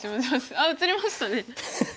あっ映りましたね。